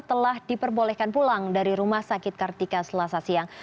telah diperbolehkan pulang dari rumah sakit kartika selasa siang